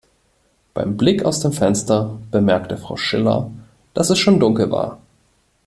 Beim Blick aus dem Fenster bemerkte Frau Schiller, dass es schon dunkel war.